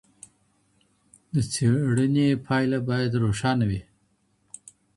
د څيړني پایله باید روښانه وي.